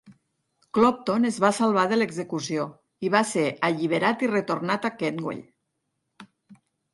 Clopton es va salvar de l'execució i va ser alliberat i retornat a Kentwell.